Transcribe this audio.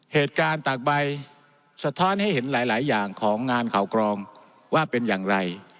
ตากใบสะท้อนให้เห็นหลายอย่างของงานข่าวกรองว่าเป็นอย่างไร